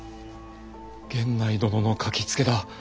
源内殿の書きつけだ。